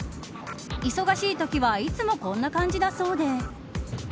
忙しいときはいつもこんな感じだそうです。